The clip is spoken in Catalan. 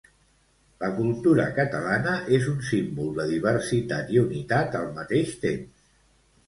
La cultura catalana és un símbol de diversitat i unitat al mateix temps.